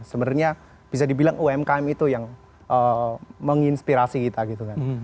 sebenarnya bisa dibilang umkm itu yang menginspirasi kita gitu kan